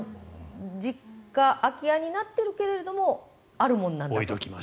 実家、空き家になっているけれどあるものなんだと。